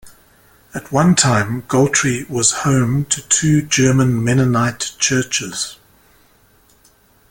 At one time, Goltry was home to two German Mennonite churches.